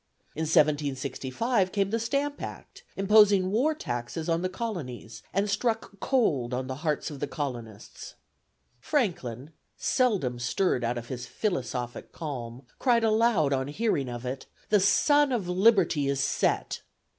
In 1765 came the Stamp Act, imposing war taxes on the Colonies, and struck cold on the hearts of the colonists. Franklin, seldom stirred out of his philosophic calm, cried aloud on hearing of it, "The sun of liberty is set!"